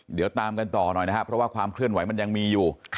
เดี๋ยวตามกันต่อหน่อยนะครับเพราะว่าความเคลื่อนไหวมันยังมีอยู่